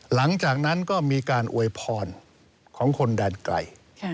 หลังจากนั้นก็มีการอวยพรของคนแดนไกล